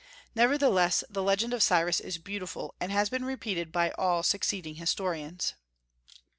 Nevertheless the legend of Cyrus is beautiful, and has been repeated by all succeeding historians.